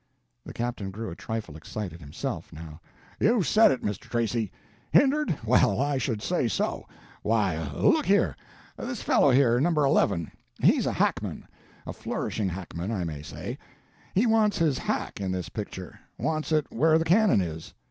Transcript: The captain grew a trifle excited, himself, now: "You've said it, Mr. Tracy!—Hindered? well, I should say so. Why, look here. This fellow here, No. 11, he's a hackman,—a flourishing hackman, I may say. He wants his hack in this picture. Wants it where the cannon is.